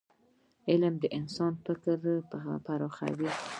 علم د انسان فکر پراخوي.